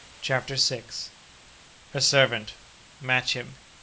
CHAPTER SIXTH. A Servant—match him!